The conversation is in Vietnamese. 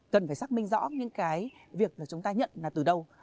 cần phải xác minh rõ những việc chúng ta nhận là từ đâu